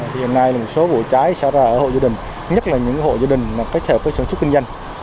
hiện nay một số vụ cháy xả ra ở hộ gia đình nhất là những hộ gia đình kết hợp với sản xuất kinh doanh